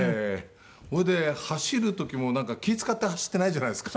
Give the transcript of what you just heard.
それで走る時もなんか気ぃ使って走ってないじゃないですか。